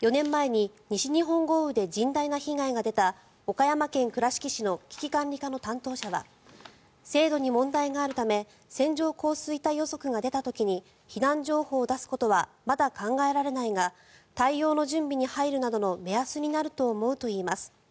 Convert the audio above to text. ４年前に西日本豪雨で甚大な被害が出た岡山県倉敷市の危機管理課の担当者は精度に問題があるため線状降水帯予測が出た時に避難情報を出すことはまだ考えられないが対応の準備に入るなどの目安になると思うといいます。